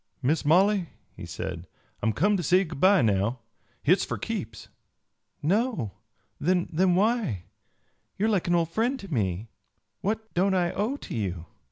"Miss Molly," he said, "I'm come to say good by now. Hit's for keeps." "No? Then why? You are like an old friend to me. What don't I owe to you?"